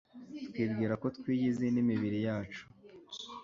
Twibwira ko twiyizi n'imibiri yacu,